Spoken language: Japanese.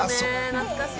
懐かしい。